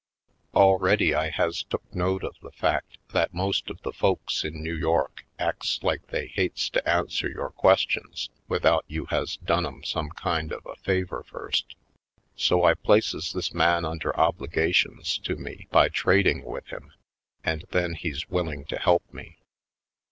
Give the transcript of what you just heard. Already I has took note of the fact that most of the folks in New York acts like they hates to answer your questions without you has done 'em some kind of a favor first. So I places this man under obligations to me by trading with him and then he's willing to help me.